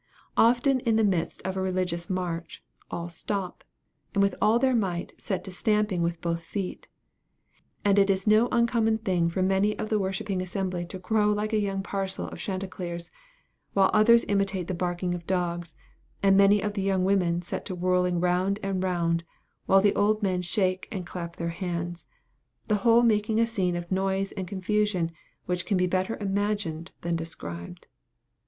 Often in the midst of a religious march, all stop, and with all their might set to stamping with both feet. And it is no uncommon thing for many of the worshipping assembly to crow like a parcel of young chanticleers, while others imitate the barking of dogs; and many of the young women set to whirling round and round while the old men shake and clap their hands; the whole making a scene of noise and confusion which can be better imagined than described.